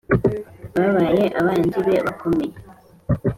babaye abanzi be bakomeye